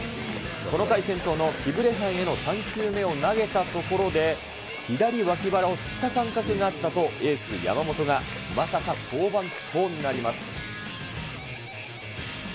この回、先頭のキブレハンへの３球目を投げたところで、左脇腹をつった感覚があったと、エース、山本がまさか降板となります。